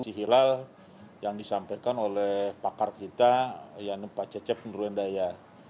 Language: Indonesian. si hilal yang disampaikan oleh pakar kita yang nampak cecep menurut saya